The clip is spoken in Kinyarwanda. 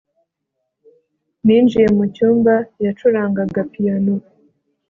Ninjiye mucyumba yacurangaga piyano